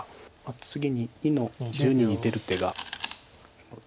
次に２の十二に出る手が。